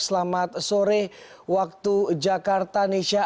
selamat sore waktu jakarta nesha